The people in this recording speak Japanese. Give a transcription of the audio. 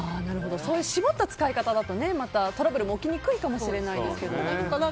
そういう絞った使い方だとトラブルも起きにくいかもしれないですね。